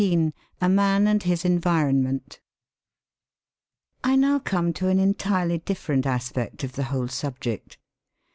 XIV A MAN AND HIS ENVIRONMENT I now come to an entirely different aspect of the whole subject.